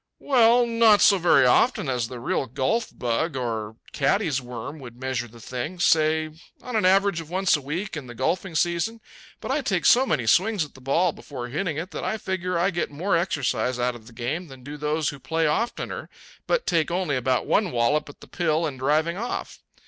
"Well, not so very often, as the real golf bug or caddie's worm would measure the thing say, on an average of once a week in the golfing season. But I take so many swings at the ball before hitting it that I figure I get more exercise out of the game than do those who play oftener but take only about one wallop at the pill in driving off.